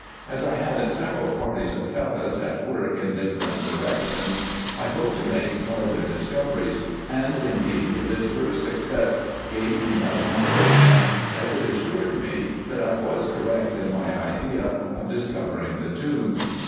As I had several parties of Fellahs at work in different directions, I hoped to make farther discoveries ; and indeed this first success gave me much encourage ment, as it assured me, that I was correct in my idea of dis covering the tombs.